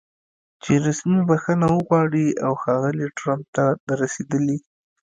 چې رسمي بښنه وغواړي او ښاغلي ټرمپ ته د رسېدلي